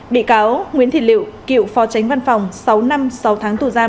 bị cáo nguyễn thị liệu cựu phó tránh văn phòng sáu năm sáu tháng tù giam